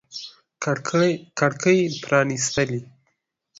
کړکۍ پرانیستلي